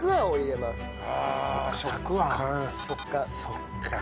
そっか。